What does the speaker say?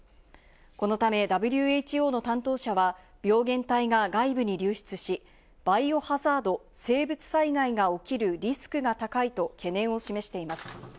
このため、ＷＨＯの担当者は病原体が外部に流出し、バイオハザード＝生物災害が起きるリスクが高いと懸念を示しています。